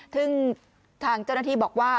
ซึ่งทางเจ้าหน้าที่บอกว่า